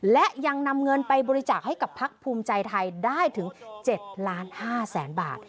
และยังนำเงินไปบริจาคให้กับพักภูมิใจไทยได้ถึง๗ล้าน๕แสนบาท